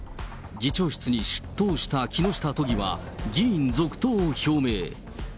議長室に出頭した木下都議は、議員続投を表明。